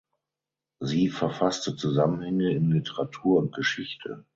Sie verfasste Zusammenhänge in Literatur und Geschichte.